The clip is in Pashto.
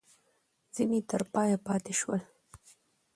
ځیني تر پایه پاته شول.